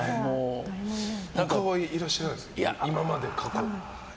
他はいらっしゃるんですか今まで、過去。